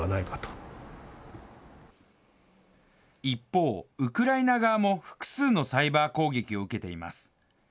一方、ウクライナ側も複数のサイバー攻撃を受けています。